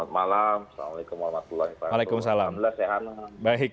selamat malam assalamualaikum wr wb